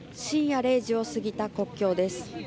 深夜０時を過ぎた国境です。